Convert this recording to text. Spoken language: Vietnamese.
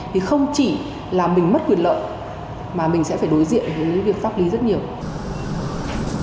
thì không chỉ là mình mất quyền lợi mà mình sẽ phải đối diện với việc pháp lý rất nhiều